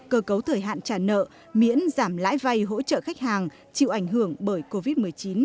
cơ cấu thời hạn trả nợ miễn giảm lãi vay hỗ trợ khách hàng chịu ảnh hưởng bởi covid một mươi chín